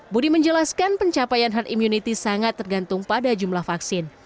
budi menjelaskan pencapaian herd immunity sangat tergantung pada jumlah vaksin